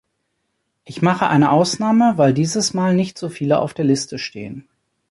Ich mache eine Ausnahme, weil dieses Mal nicht so viele auf der Liste stehen.